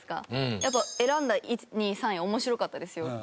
やっぱ選んだ１２３位面白かったですよ。